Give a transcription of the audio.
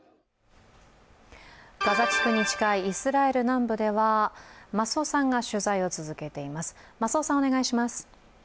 ガザ近くに近いイスラエル南部では増尾さんが取材を続けています。